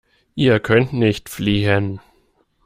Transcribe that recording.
Ihr könnt nicht fliehen.